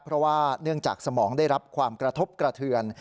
เพราะว่าเนื่องจากสมองได้รับความกระทบกระเทือน